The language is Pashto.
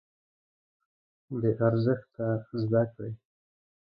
بې ارزښته زده کړې.